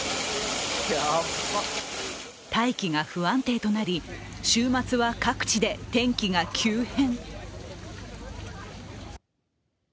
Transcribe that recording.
大気が不安定となり、週末は各地で天気が急変。